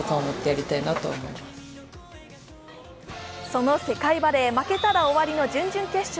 その世界バレー、負けたら終わりの準々決勝。